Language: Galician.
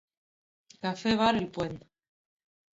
Café Bar El Puente.